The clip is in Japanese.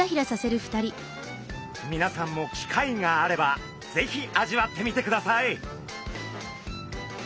みなさんも機会があればぜひ味わってみてください！